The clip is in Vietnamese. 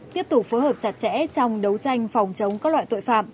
tiếp tục phối hợp chặt chẽ trong đấu tranh phòng chống các loại tội phạm